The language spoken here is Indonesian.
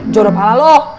jodoh kepala lu